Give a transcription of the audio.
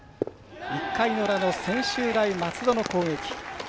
１回の裏の専修大松戸の攻撃。